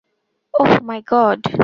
Oh my god.